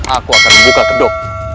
aku akan buka kedok